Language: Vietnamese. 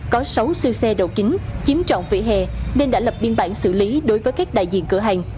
có sáu siêu xe đầu kính chiếm trọn vỉa hè nên đã lập biên bản xử lý đối với các đại diện cửa hàng